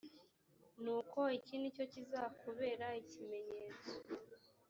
nuko iki ni cyo kizakubera ikimenyetso